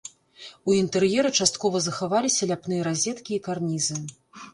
У інтэр'еры часткова захаваліся ляпныя разеткі і карнізы.